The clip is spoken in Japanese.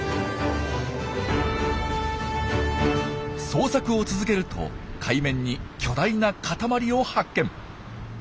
捜索を続けると海面に巨大な塊を発見。